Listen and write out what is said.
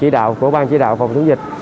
đặc biệt là các trẻ em